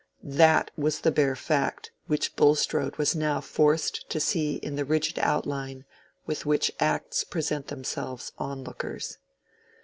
That was the bare fact which Bulstrode was now forced to see in the rigid outline with which acts present themselves to onlookers.